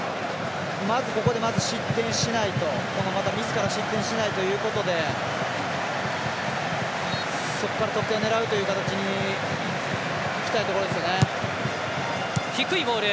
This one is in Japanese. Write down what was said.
ここでまず失点しないとミスから失点しないということでそこから得点を狙うという形にいきたいところですよね。